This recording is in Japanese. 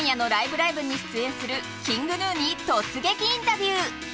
ライブ！」に出演するｋｉｎｇＧｎｕに突撃インタビュー。